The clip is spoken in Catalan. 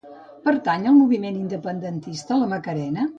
Pertany al moviment independentista la Macarena?